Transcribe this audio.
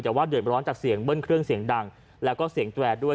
แต่ว่าเดือดร้อนจากเสียงเบิ้ลเครื่องเสียงดังแล้วก็เสียงแตรด้วย